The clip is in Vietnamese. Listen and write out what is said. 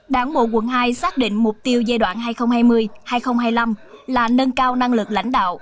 đảng bộ quận hai xác định mục tiêu giai đoạn hai nghìn hai mươi hai nghìn hai mươi năm là nâng cao năng lực lãnh đạo